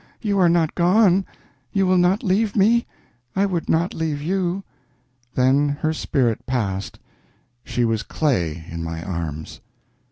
You are not gone? You will not leave me? I would not leave you." Then her spirit passed; she was clay in my arms.